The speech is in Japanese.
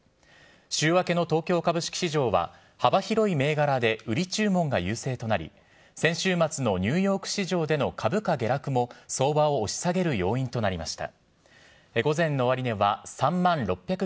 週明けの東京株式市場は、幅広い銘柄で売り注文が優勢となり、先週末のニューヨーク市場での株価下落も相場を押し下げる要因となりました。